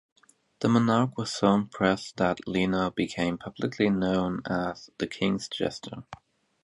The monarch was so impressed that Leno became publicly known as "the king's jester".